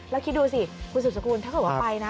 แล้วคิดดูสิคุณสุดสกุลถ้าเกิดว่าไปนะ